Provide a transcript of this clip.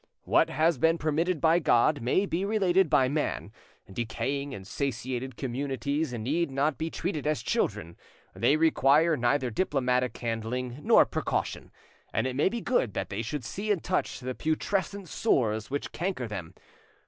What has been permitted by God may be related by man. Decaying and satiated communities need not be treated as children; they require neither diplomatic handling nor precaution, and it may be good that they should see and touch the putrescent sores which canker them.